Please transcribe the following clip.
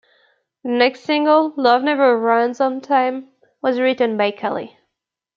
The next single, "Love Never Runs on Time" was written by Kelly.